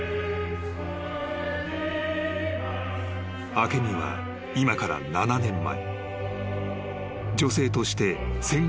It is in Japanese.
［明美は今から７年前］